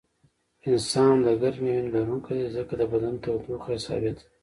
انسان د ګرمې وینې لرونکی دی ځکه د بدن تودوخه یې ثابته وي